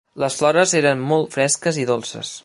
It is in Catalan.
"Les flores eren molt fresques i dolces."